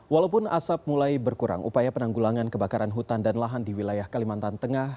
walaupun asap mulai berkurang upaya penanggulangan kebakaran hutan dan lahan di wilayah kalimantan tengah